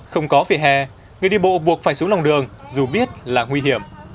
không có về hè người đi bộ buộc phải xuống lòng đường dù biết là nguy hiểm